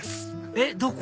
えっどこ？